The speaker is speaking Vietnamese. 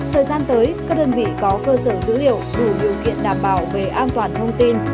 thời gian tới các đơn vị có cơ sở dữ liệu đủ điều kiện đảm bảo về an toàn thông tin